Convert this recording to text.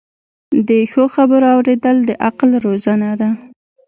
د ښو خبرو اوریدل د عقل روزنه ده.